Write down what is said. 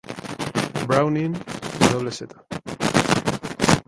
Browning wz.